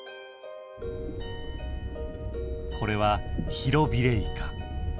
これはヒロビレイカ。